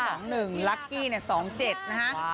สองหนึ่งหลักกี้สองเจ็ดนะคะ